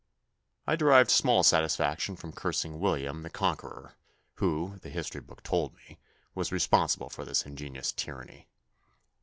I derived small satisfac tion from cursing William the Conqueror, who, the history book told me, was responsible for this ingenious tyranny.